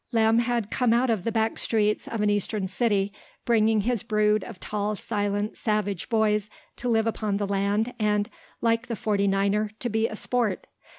Lem had come out of the back streets of an eastern city, bringing his brood of tall, silent, savage boys to live upon the land and, like the forty niner, to be a sport.